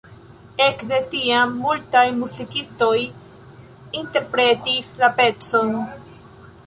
Ekde tiam multaj muzikistoj interpretis la pecon.